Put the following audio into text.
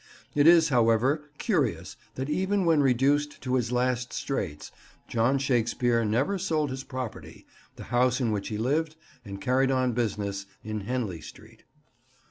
It is, however, curious that even when reduced to his last straits, John Shakespeare never sold his property, the house in which he lived and carried on business, in Henley Street.